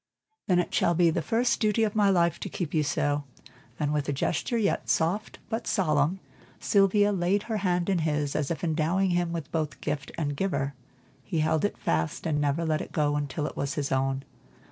"Then it shall be the first duty of my life to keep you so," and with a gesture soft yet solemn, Sylvia laid her hand in his, as if endowing him with both gift and giver. He held it fast and never let it go until it was his own.